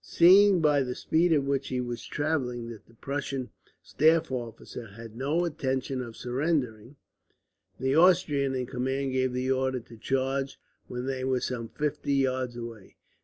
Seeing, by the speed at which he was travelling, that the Prussian staff officer had no intention of surrendering, the Austrian in command gave the order to charge, when they were some fifty yards away.